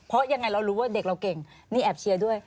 เพราะยังไงเรารู้ว่าเด็กเราเก่งนี่แอบเชียร์ด้วย